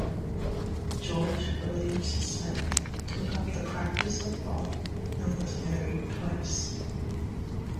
George Williams Smith took up the practice of law, and was married twice.